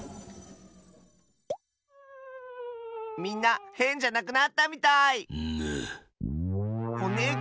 みんなヘンじゃなくなったみたい！ぬ。